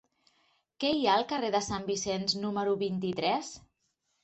Què hi ha al carrer de Sant Vicenç número vint-i-tres?